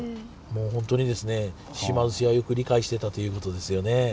もうほんとに島津氏はよく理解してたという事ですよね。